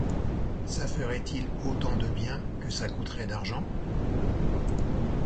Ça ferait-il autant de bien que ça coûterait d’argent?